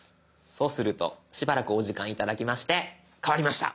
そうするとしばらくお時間頂きまして変わりました！